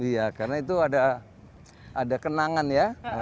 iya karena itu ada kenangan ya